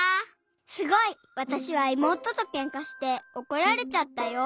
すごい！わたしはいもうととけんかしておこられちゃったよ。